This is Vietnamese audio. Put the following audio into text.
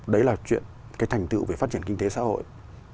đấy là chuyện cái thành tựu về phát triển kinh tế xã hội